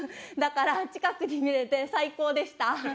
だから近くで見れて最高でした。